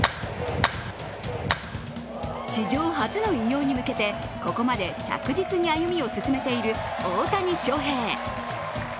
史上初の偉業に向けてここまで着実に歩みを進めている大谷翔平。